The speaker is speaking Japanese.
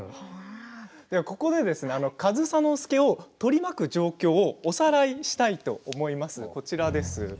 ここで上総介を取り巻く状況をおさらいしたいと思います。